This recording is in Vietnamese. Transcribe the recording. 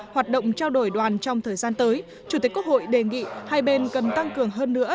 hoạt động trao đổi đoàn trong thời gian tới chủ tịch quốc hội đề nghị hai bên cần tăng cường hơn nữa